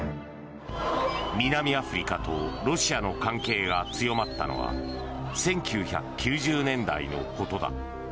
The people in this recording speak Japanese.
南アフリカとロシアの関係が強まったのは１９９０年代のことだ。